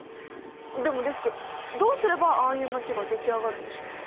でもデスクどうすればああいう街が出来上がるんでしょうか？